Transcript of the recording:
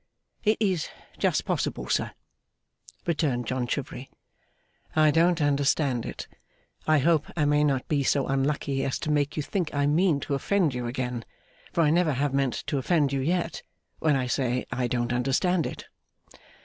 'It is just possible, sir,' returned John Chivery. 'I don't understand it. I hope I may not be so unlucky as to make you think I mean to offend you again, for I never have meant to offend you yet, when I say I don't understand it.